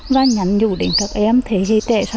và nhắn nhủ đến các em thế hệ trẻ sau này